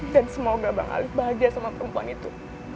dan semoga bang alif bahagia sama perempuan itu